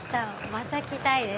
また来たいです。